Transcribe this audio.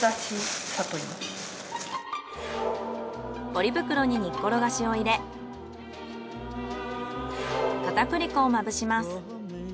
ポリ袋に煮っころがしを入れ片栗粉をまぶします。